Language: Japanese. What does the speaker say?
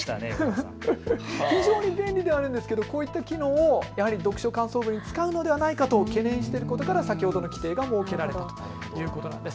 非常に便利ではあるんですけどこういった機能を読書感想文に使うのではないかと懸念していることから先ほどの規定が設けられたということなんです。